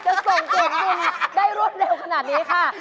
จะส่งเกี่ยวกันได้รวดเร็วขนาดนี้ค่ะ